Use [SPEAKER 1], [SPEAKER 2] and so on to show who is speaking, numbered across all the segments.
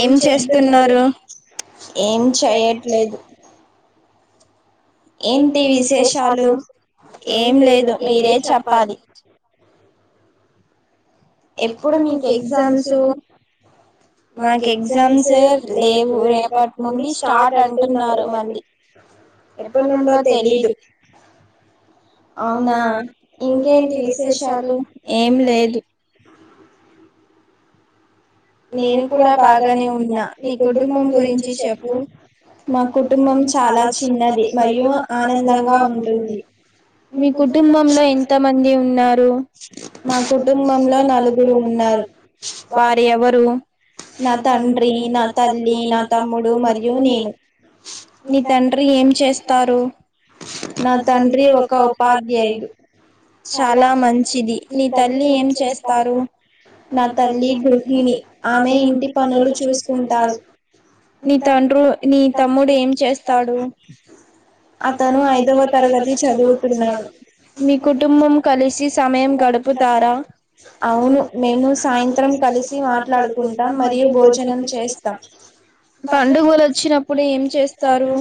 [SPEAKER 1] ఏం చేస్తున్నారు ఏం చేయట్లేదు
[SPEAKER 2] ఏంటి విశేషాలు ఏం లేదు మీరే చెప్పాలి
[SPEAKER 1] ఎప్పుడు మీకు ఎగ్జామ్స్ మాకు ఎగ్జామ్స్ లేవు రేపటి నుండి స్టార్ట్ అంటున్నారు మరి ఎప్పుటీ నుండో తెలీదు
[SPEAKER 2] అవునా ఇంకేంటి విశేషాలు ఏం లేదు
[SPEAKER 1] నేను కూడా బాగానే ఉన్నా మీ కుటుంబం గురించి చెప్పు మా కుటుంబం చాలా చిన్నది మరియు ఆనందంగా ఉంటుంది మీ కుటుంబంలో ఎంత మంది ఉంటారు మా కుటుంబంలో నలుగురు ఉన్నారు వారు ఎవరు
[SPEAKER 2] నా తండ్రి నా తల్లి నా తమ్ముడు మరియు నేను నీ తండ్రి ఏం చేస్తారు నా తండ్రి ఒక ఉపాధ్యాయుడు చాలా మంచిది నీ తల్లి ఏం చేస్తారు నా తల్లి గృహిణి
[SPEAKER 1] ఆమె ఇంటి పనులు చూసుకుంటారు మీ తండ్రు మీ తమ్ముడు ఏం చేస్తాడు అతను ఐదవ తరగతి చదువుతున్నాడు మీ కుటుంబం కలిసి సమయం గడుపుతారా అవును మేము సాయంత్రం కలిసి మాట్లాడు
[SPEAKER 2] టం మరియు భోజనం చేస్తాం పండుగలు వచ్చినప్పుడు ఏం చేస్తారు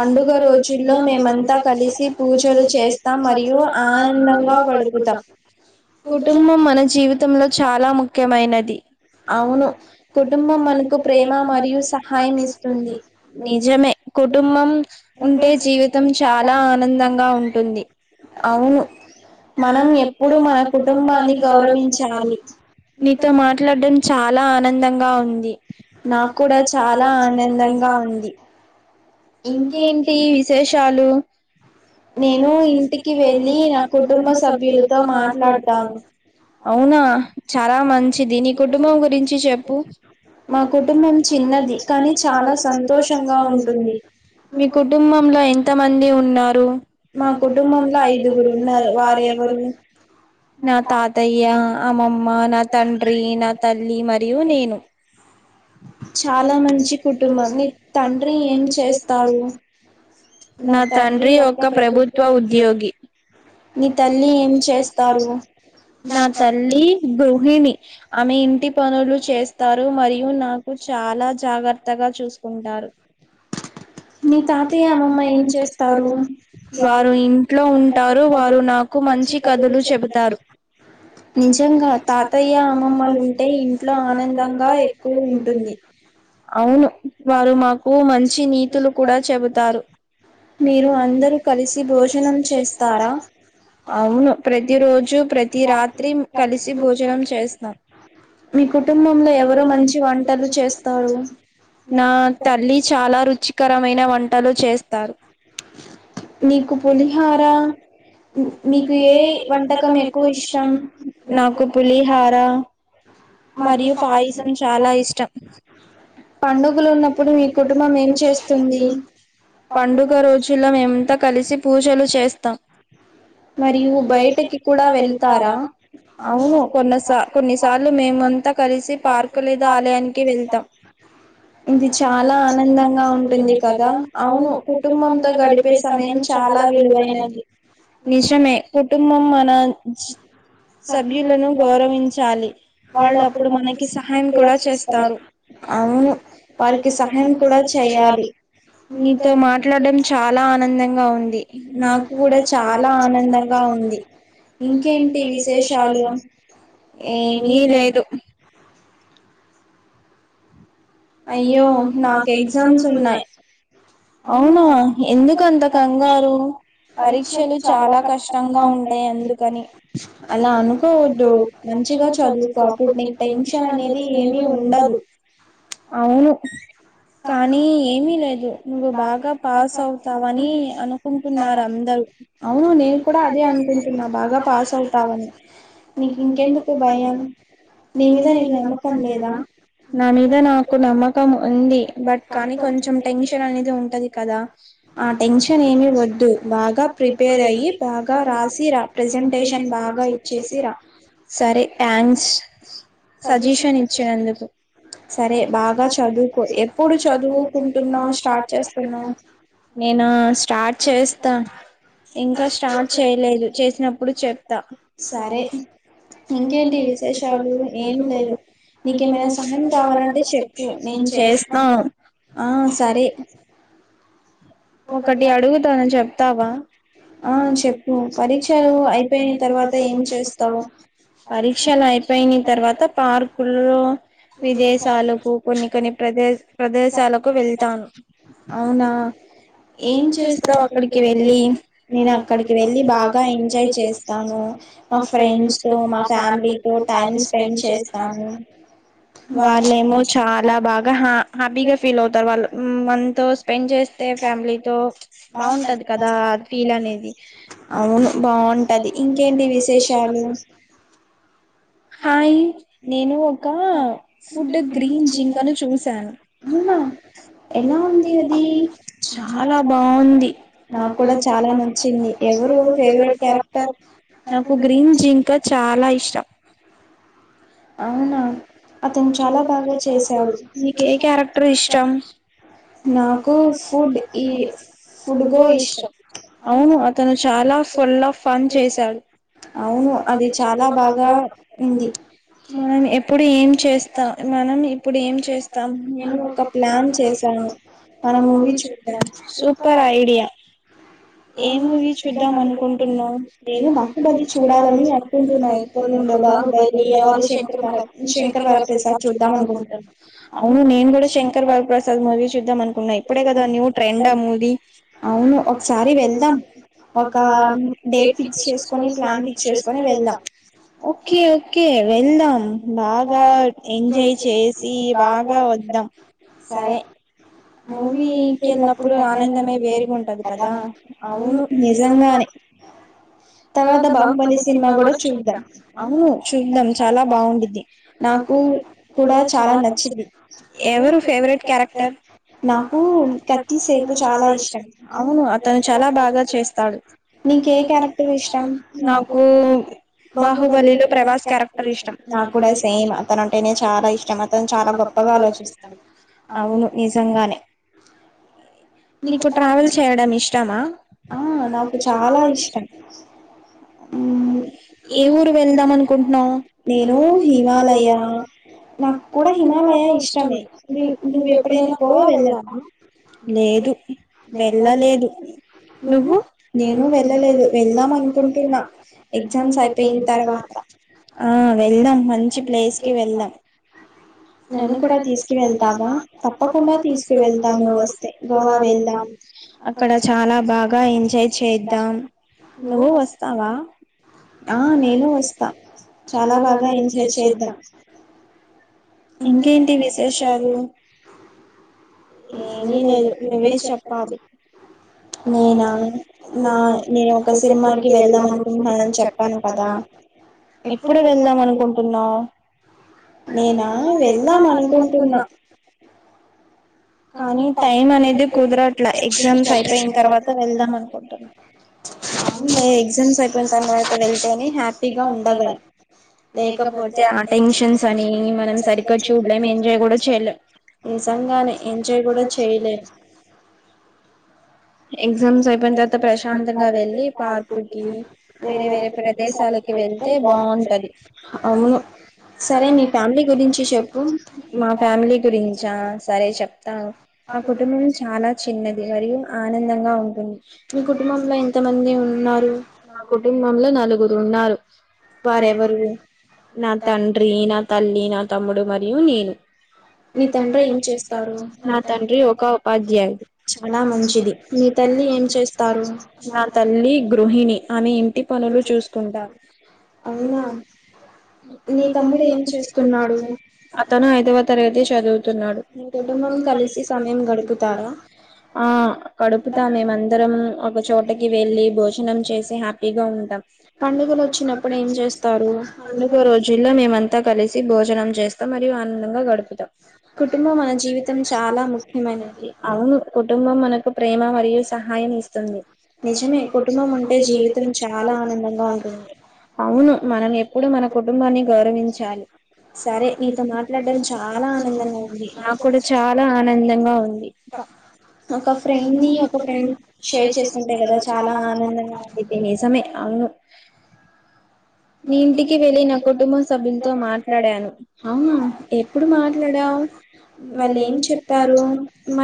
[SPEAKER 2] పండుగ రోజుల్లో మేమంతా కలిసి పూజలు చేస్తాం మరియు ఆనందంగా గడుపుతాం కుటుంబం మన జీవితంలో చాలా ముఖ్యమైనది అవును కుటుంబం మనకు ప్రేమ మరియు సహాయం ఇస్తుంది నిజమే కుటుంబం ఉంటే జీవితం చాలా ఆనందంగా ఉంటుంది అవును మనం ఎప్పుడు మన కుటుంబాన్ని గౌరవించాలి నీతో మాట్లాడడం చాలా ఆనందంగా అవును
[SPEAKER 1] నాకు కూడా చాలా ఆనందంగా ఉంది ఇంకేంటి
[SPEAKER 2] నేను ఇంటికి వెళ్ళి నా కుటుంబ సభ్యులతో మాట్లాడతాను అవునా చాలా మంచిది నీకు కుటుంబం గురించి చెప్పు మా కుటుంబం చిన్నది కానీ చాలా సంతోషంగా ఉంటుంది మీ కుటుంబంలో ఎంత మంది అడి [unintelligible] ఉన్నారు మా కుటుంబంలో ఐదుగురు ఉన్నారు వారేవరు నా తాతయ్య అమ్మమ్మ మా నా తండ్రి నా తల్లి మరియు నేను చాలా మంచి కుటుంబం నీ తండ్రి ఏం చేస్తారు నా తండ్రి ఒక ప్రభుత్వ ఉద్యోగి నీ తల్లి ఏం చేస్తారు నా తల్లి గు గృహిణి ఆమె ఇంటి పనులు చేస్తారు మరియు నాకు చాలా జాగ్రత్తగా చూసుకుంటారు మీ తాతయ్య అమ్మమ్మ ఏం చేస్తారు వారు ఇంట్లో ఉంటారు వారు నాకు మంచి కథలు చెబుతారు నిజంగా
[SPEAKER 1] [unintelligible] తయ్య అమ్మమ్మ
[SPEAKER 2] వాళ్ళు అంటే ఇంట్లో ఆనందంగా ఎక్కువ ఉంటుంది అవును వారు మాకు మంచి నీతులు కూడా చెబుతారు మీరు అందరూ కలిసి భోజనం చెస్తారా అవును ప్రతి రోజు ప్రతి రాత్రి కలిసి భోజనం భోజనం చేస్తా మీ కుటుంబంలో ఎవరు మంచి వంటలు చేస్తారు నా తల్లి చాలా రుచికరమైన వంటలు చేస్తారు నీకు పులిహార నీకు ఏ వంటకం ఎక్కువ ఇష్టం నాకు పుల్ [unintelligible] మరియు పాయసం చాలా ఇష్టం. పండుగ రోజుల్లో మేమంతా కలిసి పూజలు చేస్తాం. అవు కొనస సార్లు మేమంతా కలిసి పార్కు లేదా ఆలయానికి వెళ్తాం. అవును కుటుంబంతో గడిపే సమయం చాలా విలువైనది. నిజమే కుటుంబం మన సభ్యులను గౌరవించ్ చాలి వాళ్ళుప్పుడు మనకి సహాయం కూడా చేస్తారు. నీతో మాట్లాడటం చాలా ఆనందంగా ఉంది. ఏమీ లేదు అయ్యో నాకు ఎగ్జామ్స్ ఉన్నాయి అవునా ఎందుకు అంత కంగారు పరీక్షలు చాలా కష్టంగా ఉంటాయి ఎందుకని అలా అనుకోవచ్చదు మంచిగా చదువచ్చు అప్పుడు నీకు టెన్షన్ అనేది ఏమి ఉండదు అవును కానీ ఏమీ లేదు. నువ్వు బాగా పాస్ అవుతావని అనుకుంటున్నారందరు. నా మీద నా నమ్మకం ఉంది బట్ కానీ కొంచం టెన్షన్ అనేది ఉంటది కదా సరే థ్యాంక్స్ సజెషన్ ఇచ్చినందుకు నేనా స్టార్ట్ చేస్తా ఇంకా స్టార్ట్ చేయలేదు చేసినప్పుడు చెప్తా
[SPEAKER 1] ఏం లేదు నీకేమైనా సహాయం కావాలంటే ఆ సరే
[SPEAKER 2] ఒకటి అడుగుతాను చెప్ తావా పరీక్షలు అయిపోయిన తర్వాత పార్కుల్లో విదేష్ కొన్ని కొన్ని ప్రదేశాలకు వెళ్తాను
[SPEAKER 1] నేన్ అక్కడికి వెళ్ళి బాగా ఎంజాయ్ చేస్తాను మా ఫ్రెండ్స్ తో మా ఫ్యామిలీ తో టైమ్ స్పెండ్ చేస్తాను
[SPEAKER 2] వాళ్ళేమో చాలా బాగా హ హ్యాపీగా ఫీల్ అవుతారు వాళ్ళు మంత్ తో స్పెండ్ చేస్తే ఫ్యామిలీ తో బాగుంటది కదా అది ఫీల్ అనేది హాయ్ నేను ఒక ఫుడ్ గ్రీన్ జింకను చూశాను. చాలా బాగుంది నాకు గ్రీన్ జీంకా చాలా ఇష్టం.
[SPEAKER 1] అవునా
[SPEAKER 2] అతను చాలా బాగా చేశాడు నీక ఏ క్యారెక్టర్ ఇష్టం నాకు ఫుడ్ ఈ ఫుడ్గో ఇష్టం అవును అతను చాలా ఫుల్ ఫన్ చేశాడు అవును అది చాలా బాగా ఉంది మ ఎప్పుడ స్తా మనం ఇప్పుడు ఏం చేస్తాం నేను ఒక ప్లాన్ చేసాను మన మూవీ చూద్దాం సూపర్ ఐడియా ఏ మూవీ చూద్దాం అనుకుంటున్నా నేను బాహుబలి చూడాలని అనుకుంటున్నాను ఎ బాహుబలి
[SPEAKER 1] శంక మ శంక
[SPEAKER 2] శంకర్ బాలపసాద్ చూద్దాం అనుకుాను అవును నేను కూడా శంకర్ బాలప్రసాద్ మూవీ చూద్దాం అనుకున్నా ఇప్పుడే కదా న్యూ ట్రెండ్ ఆ మూవీ అవును ఒకసారి వెళ్దాం ఒక డేట్ ఫిక్స్ చేసుకని ప్లాన్ ఫిక్స్ చేసుకని వెదాం ఓకే ఓకే వెళ్దాం బాగా ఎంజాయ్ చేసి బాగా వద్దాం సరే మూవీకెళ్ళినప్పుడు ఆనందమే వేరుగి ఉంటది కదా అవును నిజంగా
[SPEAKER 1] తవాత బాహుబలి సినిమా కూడా చూడద్దాం చ బ నాకు కూడా చాలా నచ్చింది ఎవరు ఫవక్టర్ నాకు కతి సేపు చాలా ఇష్టం అవును అ చ బాస్తాడు నీక ఏ కారక్టర్
[SPEAKER 2] ఇష్టం నాకు బాహుబలిలో ప్రభాస్ క్యారెక్టర్ ఇష్టం నాకుే చాల గొప్పగాలోచిస్తాడు అవును నిజంగానే నీకు ట్రావెల్ చేయడం ఇష్టమా నాకు చాలా ఇష్టం ఏ ఊరు వెళ్దాం అనుకుంటు నా నేను హిమాలయ నాకు కూడా హిమాలయ ఇష్టమే నువ్వవు ఎప్పుడైనా గోవా వెళ్ళాలా లేదు వెళ్ళలేదు నువ్వు నేను వెళ్ళలేదు
[SPEAKER 1] వెళ్దాం అనుకుంటున్నా ఎగ్జామ్స్ అయిపోయిన తర్వాత
[SPEAKER 2] ఆ వెళ్దాం మంచి ప్లేస్ కి వెళ్దాం నన్ను కూడా తీసుకు వెళ్దామా తప్పకుండా తీసుకు వెళ్తాను వెళ్దాం అక్కడ చాలా బాగా ఎంజాయ్ చేద్దాం
[SPEAKER 1] ను వస్తా ఆ నేను వస్తా
[SPEAKER 2] చాలా బాగా ఎంజాయ్ చేద్దాం ఇంకేంటి విశేషాలు ఏమ నువ్వే చెప్పాలి
[SPEAKER 1] నేనా నా నేను ఒక సినిమాకి వెళ్దాం అనుకుంటున్నానని చెప్పాను కదా ఎప్పుడు వెళ్దాం అనుకుంటున్నా నేనా వెళ్దాం అనుకుంటున్నా కానీ ట
[SPEAKER 2] [inaudible]
[SPEAKER 1] ఎంజాయ్ కూడాడ చేయలే
[SPEAKER 2] ఎగ్జామ్స్ అయిపోయిన తర్వాత ప్రశాంతంగా వెళ్ళి పార్క్కి వేరే వేరే ప్రదేశాలకి వెళ్తే బాగుంటది సరే ఫ్యామిలీ గురించి చె మా ఫ్యామిలీ గురించా సరే చె ఆ కుటుంబం చాలా చిన్నది మరియు ఆనందంగా ఉంటుంది మా కుటుంబంలో ఎంది తి మా కుటుంబంలో నలుగురు ఉన్నారు వారేరు నా తండ్రి నా తల్లి నా తమ్ముడు మరియు నేను మీీ తండ్రి ఏం చేస్తారు నా తండ్రి ఒక ఉపాధ్యాయు చాల మంది తల్ నా తల్లి గృహిణి అని ఇంటి పనులు చూస్తుంటారునా నీ తమ్ముడు ఏం చేస్తున్నాడు అతను ఐదవ తరగతి జరురు న్నాడు తెలి మ కలిసి చనులుగుతారు ఆ డుతా మేందరం ఒక చోకి వెళ్ళ భోజనం చేసి హ్యాపీగా ఉాగ పండుగ రోజుల్లో కలిసి భోజనం చేస్త మరియు ఆనందంగా గడుపుతాం కుటుంబం మన జీవితం చాలా ముఖ్యమైనది అవును కుటుంబం మన ప్రేమ మరియు సహాయం ఇస్తుంది నిజమే కుటుంబం ఉంటే జీవితం చాలా ఆనందంగా ఉంటుంది అవును మనం ఎప్పుడుూ మన కుటుంబాన్ని గౌరవించాలి సరే మీతో మాట్లాడ చాలా ఆనందంగా ఉంది నాకు కూడా చాలా ఆనందంగా ఉంది న్ని ఇె షేర్ చేసుంటాయి కదా చాలాతే నిజమే అను నీ ఇంటికి వెళ్ళి నా కుటుంబ సభ్యులతో మాట్లాడానుట్ వాళ్ళు ఏం చెప్పారు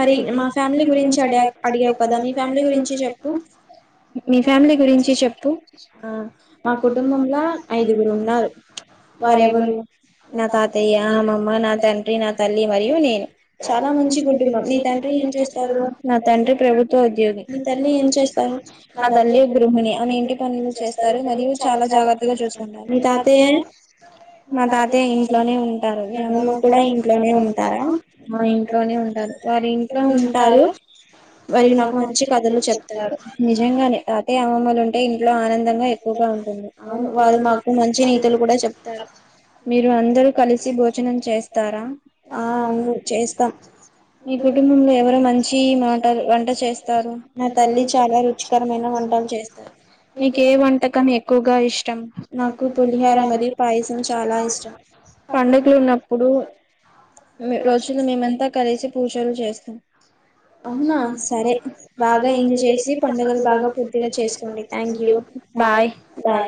[SPEAKER 2] మ ఫ కదా మీ ఫమి గురించి చెప్పు మీ ఫ్యామిలీ గురించి చెప్పు ఆ ఆ కుటుంబం ఐదుగురు వరే గురు నా తాతయ్య ఆమమ్ నా నా తల్లి మరియు నేను చాలా మంచి కుటుబం నీ తల్లి ఏం చేస్తారు తండ్రి ప్రభుత్వ ఉద్యోగి తల్లి ఏం చేస్తారు మా తల్లి గృహిణి అని ఇంటి పనులు చేస్తారు మరియు చాలా జాగ్రత్తగా చూసుకున్నారు మీ తాతయ మా తాతయ ఇంట్లోనే ఉంటారు మీ అమ్మమ్మ కూడా ఇలోనే ఉంటారా మా ఇంట్లోనే ఉంటారు వారి ఇంట్లో ఉంటారు మరియు నాకు మంచి కథలు చెప్తారు నిజంగానే తాత అమ్మమ్మలు ఉంటే ఇంట్లో ఆనందంగా ఎక్కువగా ఉంటుంది అ వా మంచి చెప్తారు మీరు అందరుూ కలిసి భోజనం చేస్తారా ఆ చేస్తా మీ కుటుంబంలో ఎవరో మంచి ంట వంట చేస్తారుటల్ చాలా రుచికరమైన వంట చేస్తారు నకు ఏ వంటకం ఎక్కువగా ఇష్టం నాకు చాలా ఇష్టం పడుగలు ఉన్నప్పుడు రోజులు మేమంతా కలిసి పూజలు చేస్తాం
[SPEAKER 1] అవునా సరే బాగా ఎంజాయ్ చేసి పండుగలు బాగా పూర్తిగా చేసుకోండి థ్యాంక్ యూ బాయ్ బాయ్